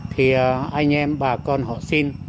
thì anh em bà con họ xin